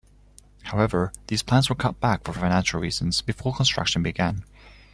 However, these plans were cut back for financial reasons before construction began.